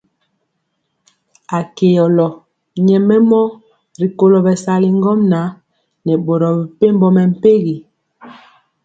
Akɛolo nyɛmemɔ rikolo bɛsali ŋgomnaŋ nɛ boro mepempɔ mɛmpegi.